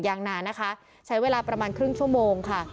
ยางนานนะคะใช้เวลาประมาณครึ่งชั่วโมงค่ะ